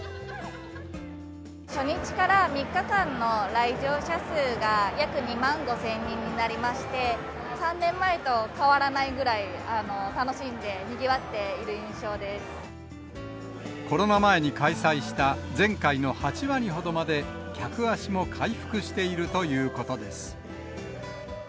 初日から３日間の来場者数が約２万５０００人になりまして、３年前と変わらないぐらい、楽しんで、にぎわっている印象でコロナ前に開催した、前回の８割ほどまで、客足も回復しているということです。